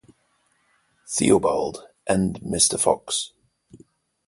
Theobald and Mr.Fox.